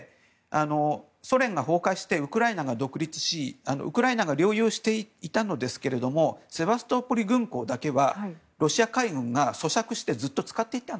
ソ連が崩壊してウクライナが独立しウクライナが領有していたんですがセバストポリ軍港だけはロシア海軍が租借してずっと使っていた。